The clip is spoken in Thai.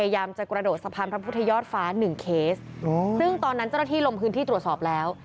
ยอดฟ้าหนึ่งเคสซึ่งตอนนั้นเจ้าหน้าที่ลมขึ้นที่ตรวจสอบแล้ว